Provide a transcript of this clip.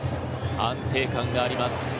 安定感があります。